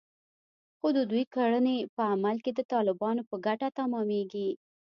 خو د دوی کړنې په عمل کې د طالبانو په ګټه تمامېږي